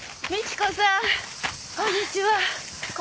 こんにちは。